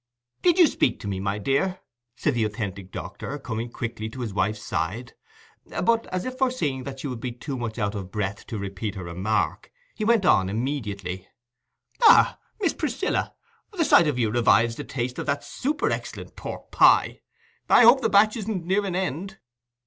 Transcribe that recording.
"Did you speak to me, my dear?" said the authentic doctor, coming quickly to his wife's side; but, as if foreseeing that she would be too much out of breath to repeat her remark, he went on immediately—"Ha, Miss Priscilla, the sight of you revives the taste of that super excellent pork pie. I hope the batch isn't near an end."